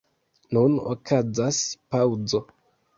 Nun okazas paŭzo.